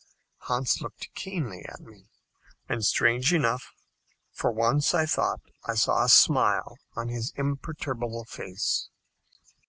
Hans looked keenly at me, and, strange enough, for once I thought I saw a smile on his imperturbable face.